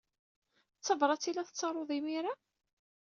D tabṛat ay la tettarud imir-a?